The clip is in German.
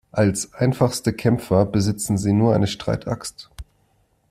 Als einfachste Kämpfer besitzen sie nur eine Streitaxt.